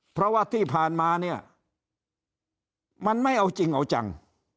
เพราะว่าที่ผ่านมาเนี่ยมันไม่เอาจริงเอาจัง